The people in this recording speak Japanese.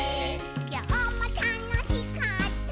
「きょうもたのしかったね」